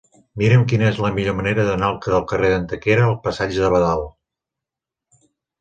Mira'm quina és la millor manera d'anar del carrer d'Antequera al passatge de Badal.